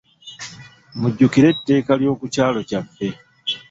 Mujjukire etteeka ly'oku kyalo kyaffe.